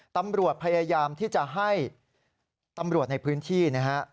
ตำรวจพยายามที่จะให้ตำรวจในพื้นที่นะฮะ